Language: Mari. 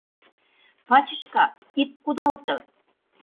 Пачышка, ит кудалте.